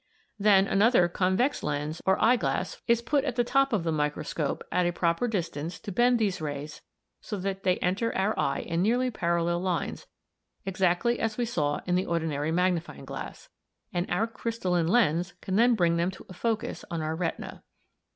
Then another convex lens or eye glass e, g is put at the top of the microscope at the proper distance to bend these rays so that they enter our eye in nearly parallel lines, exactly as we saw in the ordinary magnifying glass (Fig. 13), and our crystalline lens can then bring them to a focus on our retina.